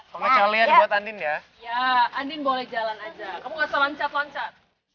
hai pengecualian buatan dia ya andin boleh jalan aja kamu langsung lancar lancar